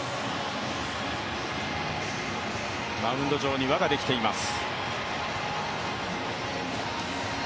マウンド上に輪ができています。